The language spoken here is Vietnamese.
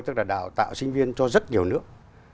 tức là đào tạo sinh viên cho rất nhiều nước